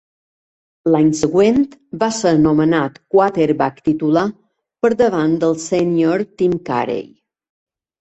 L'any següent, va ser anomenat quarterback titular per davant del sénior Tim Carey.